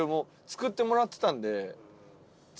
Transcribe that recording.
作ってもらってたんで。